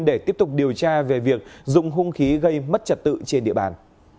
để tiếp tục điều tra về việc dùng hung khí gây mất trật tự trên địa bàn